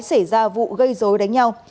xảy ra vụ gây dối đánh nhau